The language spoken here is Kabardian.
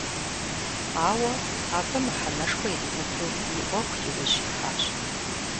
Ауэ абы мыхьэнэшхуэ иримыту и Ӏуэху и ужь ихьащ.